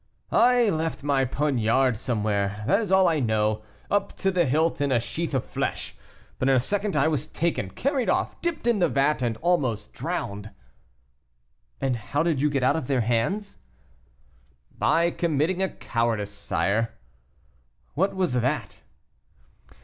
"I left my poniard somewhere, that is all I know, up to the hilt in a sheath of flesh; but in a second I was taken, carried off, dipped in the vat, and almost drowned." "And how did you get out of their hands?" "By committing a cowardice, sire." "What was that?"